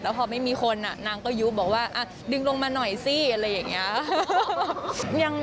พอไม่มีคนนางก็ยุบบอกว่าดึงลงมาหน่อยสิอะไรอย่างนี้